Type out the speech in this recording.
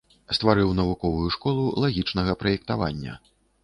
Стварыў навуковую школу лагічнага праектавання.